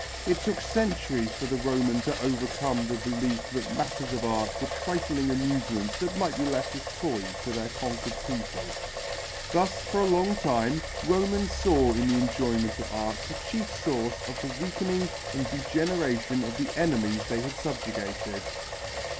It took centuries for the Roman to overcome the belief that matters of art were trifling amusements that might be left as toys to their conquered people. Thus for a long time Romans saw in the enjoyment of art the chief source of the weakening and degeneration of the enemies they had subjugated.